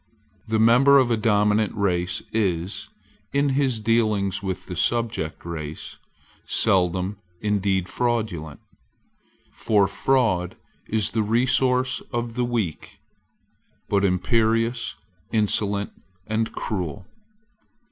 The member of a dominant race is, in his dealings with the subject race, seldom indeed fraudulent, for fraud is the resource of the weak, but imperious, insolent, and cruel.